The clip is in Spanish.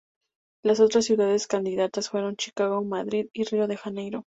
Las otras ciudades candidatas fueron Chicago, Madrid y Río de Janeiro.